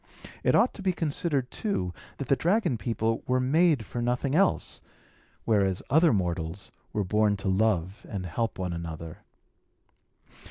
It ought to be considered, too, that the dragon people were made for nothing else; whereas other mortals were born to love and help one another.